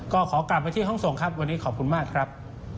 ก็ขอกลับไปที่ห้องส่งครับวันนี้ขอบคุณมากครับ